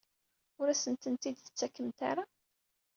Ur asent-ten-id-tettakemt ara?